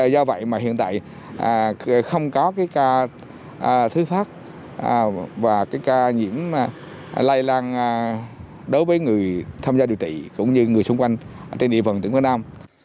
do vậy mà hiện tại không có ca thứ phát và cái ca nhiễm lây lan đối với người tham gia điều trị cũng như người xung quanh trên địa bàn tỉnh quảng nam